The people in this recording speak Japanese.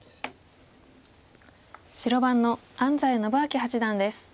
白番の安斎伸彰八段です。